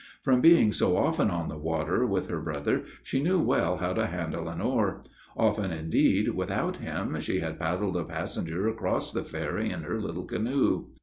From being so often on the water with her brother, she knew well how to handle an oar. Often, indeed, without him she had paddled a passenger across the ferry in her little canoe.